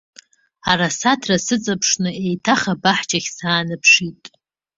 Арасаҭра сыҵыԥшны, еиҭах абаҳчахь саанаԥшит.